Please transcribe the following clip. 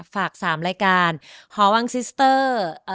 ฝาก๓รายการหอวังซิสเตอร์